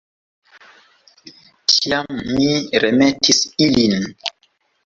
Tiam mi remetis ilin.